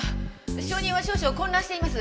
証人は少々混乱しています。